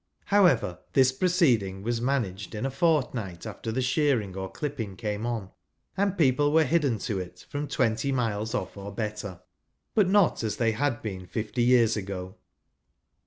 [ However, this proceeding was managed in a fortnight after the shearing or clipping came on ; aud people were bidden to it from twenty miles ofi" or better ; but not as they had been fifty years ago.